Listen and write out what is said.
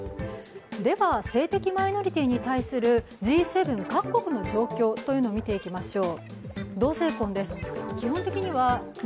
では性的マイノリティーに対するＧ７各国の状況を見ていきましょう。